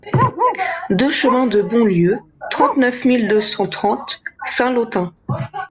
deux chemin de Bonlieu, trente-neuf mille deux cent trente Saint-Lothain